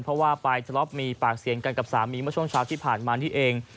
เพราะว่าไปทะเลาะมีปากเสียงกันกับสามีเมื่อช่วงเช้าที่ผ่านมานี่เอง